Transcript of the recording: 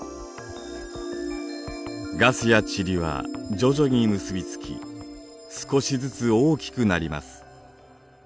ガスや塵は徐々に結び付き少しずつ大きくなります。